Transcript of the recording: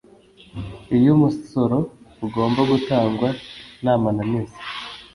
Iyu umusoro ugomba gutangwa ntamananiza